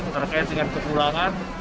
terkait dengan kekurangan